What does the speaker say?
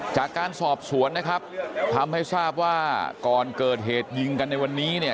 จากการสอบสวนนะครับทำให้ทราบว่าก่อนเกิดเหตุยิงกันในวันนี้เนี่ย